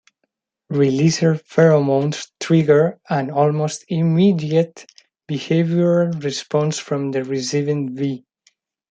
Releaser pheromones trigger an almost immediate behavioral response from the receiving bee.